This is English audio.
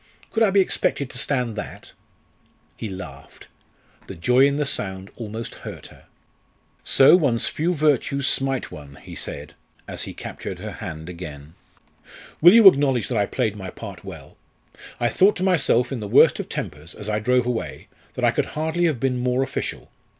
Could I be expected to stand that?" He laughed. The joy in the sound almost hurt her. "So one's few virtues smite one," he said as he captured her hand again. "Will you acknowledge that I played my part well? I thought to myself, in the worst of tempers, as I drove away, that I could hardly have been more official.